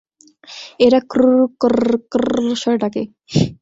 এরা "ক্রুরর-ক্ররর-ক্রররল" স্বরে ডাকে।